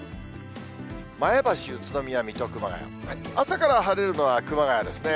前橋、宇都宮、水戸、熊谷、朝から晴れるのは熊谷ですね。